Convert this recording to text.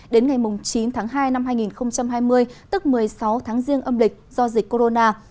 đến ngày chín tháng hai năm hai nghìn hai mươi tức một mươi sáu tháng riêng âm lịch do dịch corona